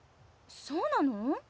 そうなの？